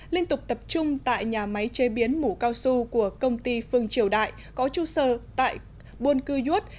liên tục tập trung tại nhà máy chế biến mũ cao su của công ty phương triều đại có tru sơ tại buôn cưu duốt